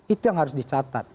itu yang harus dicatat